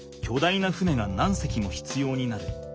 いな船が何隻も必要になる。